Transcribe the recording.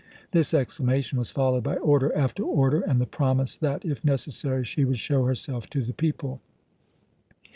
This exclamation was followed by order after order, and the promise that, if necessary, she would show herself to the people.